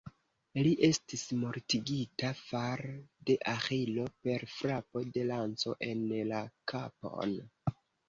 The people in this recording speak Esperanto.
Li estis mortigita far de Aĥilo per frapo de lanco en la kapon.